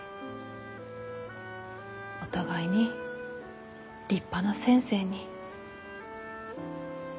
お互いに立派な先生に。